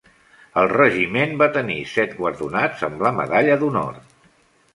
El regiment va tenir set guardonats amb la Medalla d'Honor.